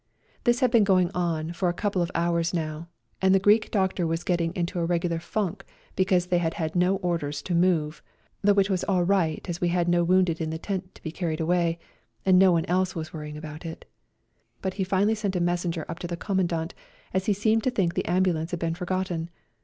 This had been going on for a couple of hours now, and the Greek doctor was getting into a regular funk because they had had no orders to move, though it was all right as we had no wounded in the tent to be carried away, and no one else was worrying about it ; but he finally sent a messenger up to the Commandant, as he seemed to think the ambulance had been forgotten.